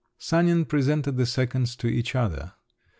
Sanin presented the seconds to each other.